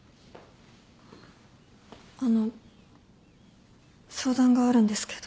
あの相談があるんですけど。